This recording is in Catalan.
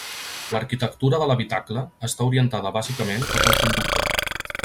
L'arquitectura de l'habitacle està orientada bàsicament cap al conductor.